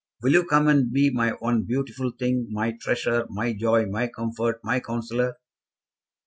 Will you come and be my one beautiful thing, my treasure, my joy, my comfort, my counsellor?"